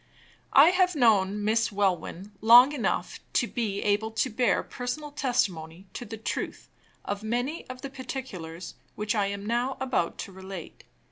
I have known Miss Welwyn long enough to be able to bear personal testimony to the truth of many of the particulars which I am now about to relate.